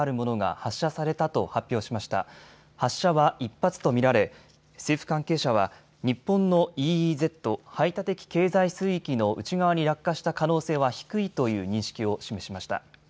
発射は１発と見られ、政府関係者は日本のＥＥＺ・排他的経済水域の内側に落下した可能性は低いという認識を示しました。